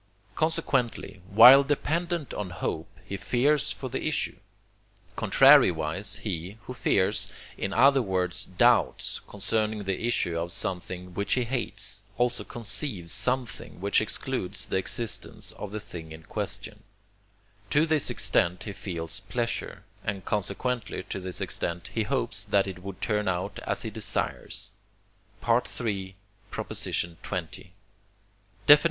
consequently, while dependent on hope, he fears for the issue. Contrariwise he, who fears, in other words doubts, concerning the issue of something which he hates, also conceives something which excludes the existence of the thing in question; to this extent he feels pleasure, and consequently to this extent he hopes that it will turn out as he desires (III. xx.). XIV.